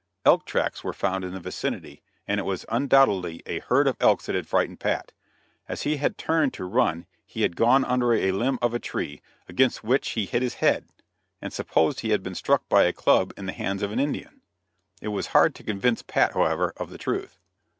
Elk tracks were found in the vicinity and it was undoubtedly a herd of elks that had frightened Pat; as he had turned to run, he had gone under a limb of a tree, against which he hit his head, and supposed he had been struck by a club in the hands of an Indian. It was hard to convince Pat however, of the truth.